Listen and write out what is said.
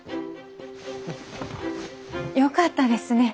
よかったですね